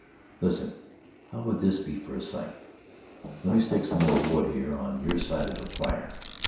"Listen, how would this be for a site? (Let me stick some more wood there on your side of the fire.)